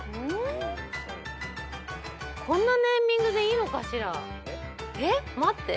こんなネーミングでいいのかしらえっ待って。